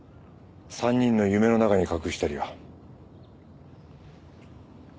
３人の夢の中に隠したりは。